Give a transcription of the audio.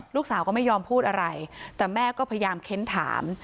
ลูกสาวก็ไม่ยอมพูดอะไรแต่แม่ก็พยายามเค้นถาม